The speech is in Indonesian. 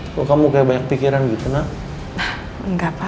kok kamu kayak banyak pikiran gitu nakal